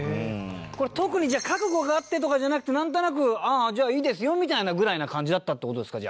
これ特にじゃあ覚悟があってとかじゃなくてなんとなくじゃあいいですよみたいなぐらいな感じだったって事ですか？